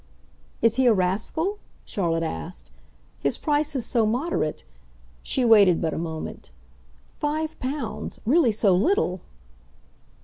"Is he a rascal?" Charlotte asked. "His price is so moderate." She waited but a moment. "Five pounds. Really so little."